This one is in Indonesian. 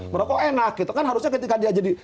merokok enak gitu kan harusnya ketika dia jadi